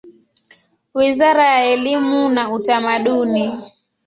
Wizara ya elimu na Utamaduni.